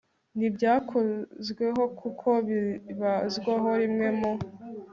ntibyakozweho kuko bibazwaho rimwe mu